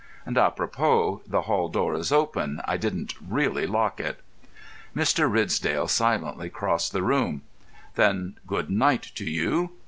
And, à propos, the hall door is open I didn't really lock it." Mr. Ridsdale silently crossed the room. "Then good night to you.